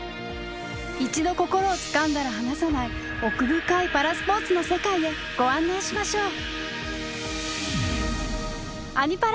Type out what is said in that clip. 一度心をつかんだら離さない奥深いパラスポーツの世界へご案内しましょう。